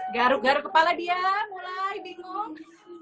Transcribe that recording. garuk garu kepala dia mulai bingung